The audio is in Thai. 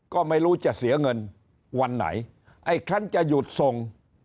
ก็ไม่รู้จะเสียเงินวันไหนไอ้คันจะหยุดส่ง